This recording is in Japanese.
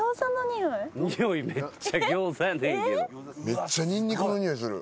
めっちゃニンニクのにおいする。